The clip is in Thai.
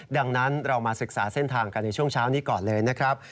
ดังนั้นเรามาศึกษาเส้นทางกันในช่วงเช้านี้ก่อนเลยนะครับ